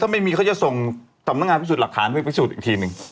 ไม่มีเขาจะส่งสำนักงานพิสูจน์หลักฐานเพื่อพิสูจน์อีกทีหนึ่ง